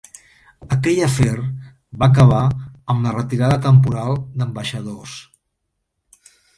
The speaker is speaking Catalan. Aquell afer va acabar amb la retirada temporal d’ambaixadors.